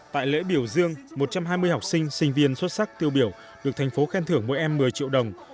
tại lễ biểu dương một trăm hai mươi học sinh sinh viên xuất sắc tiêu biểu được thành phố khen thưởng mỗi em một mươi triệu đồng